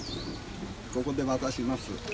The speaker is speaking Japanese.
ここで渡します。